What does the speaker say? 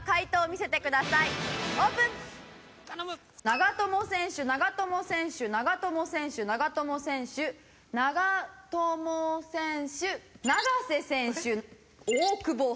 長友選手長友選手長友選手長友選手長友選手ながせ選手大久保さん。